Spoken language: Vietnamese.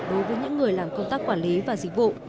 đối với những người làm công tác quản lý và dịch vụ